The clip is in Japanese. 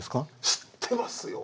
知ってますよ！